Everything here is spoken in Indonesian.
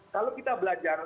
kalau kita belajar